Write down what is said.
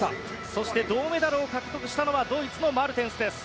そして銅メダルを獲得したのはドイツのマルテンスです。